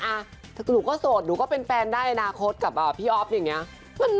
อ้าะถ้าหนูก็สดหนูก็เป็นแฟนได้นะโค้ชกับพี่อ๊อฟแบบนี้